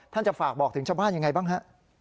จะฝากบอกถึงชาวบ้านยังไงบ้างฮะ